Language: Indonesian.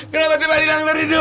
kenapa tiba tiba hilang dari dulu